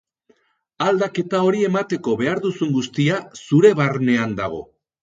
Aldaketa hori emateko behar duzun guztia, zure barnean dago.